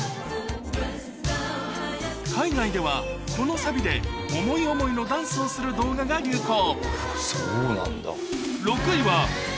海外ではこのサビで思い思いのダンスをする動画が流行